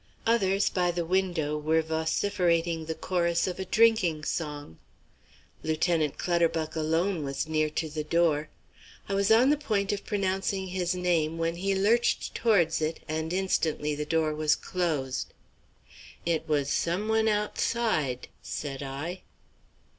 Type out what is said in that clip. Others by the window were vociferating the chorus of a drinking song. Lieutenant Clutterbuck alone was near to the door. I was on the point of pronouncing his name when he lurched towards it, and instantly the door was closed. "It was someone outside," said I.